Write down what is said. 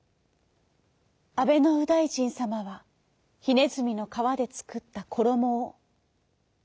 あべのうだいじんさまはひねずみのかわでつくったころもを。